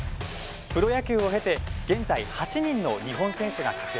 プロ野球を経て現在８人の日本選手が活躍。